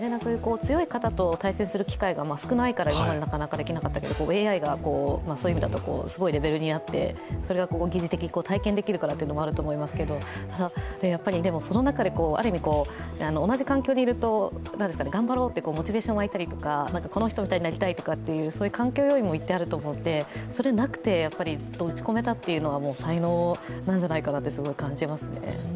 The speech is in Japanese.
強い方と対戦する機会がないから今までなかなかできなかったものがＡＩがそういう意味だと、すごいレベルにあって、それが擬似的に体験できるからだと思いますけど、その中である意味、同じ環境にいると頑張ろうってモチベーションが沸いたり、この人のようになりたいという環境要因も一定あると思うのですが、それがなくてずっと打ち込めたというのが才能なんじゃないかなと感じますね。